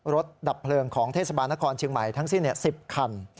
ดับเพลิงของเทศบาลนครเชียงใหม่ทั้งสิ้น๑๐คัน